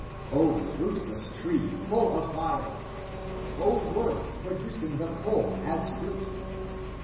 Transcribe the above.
O fruitless tree, full of fire! O wood, producing the coal as fruit